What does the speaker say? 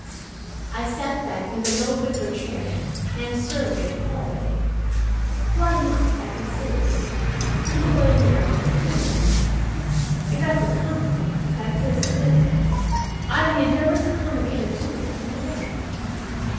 I sat back in the low wicker chair and surveyed the hallway. Why not, I considered, do away now with the fear of it? If I could conquer it like this at midnight, I need never succumb again to it in the light.